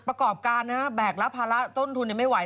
ประกอบการนะแบกรับภาระต้นทุนไม่ไหว